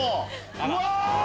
うわ！